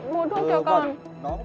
mua thuốc cho con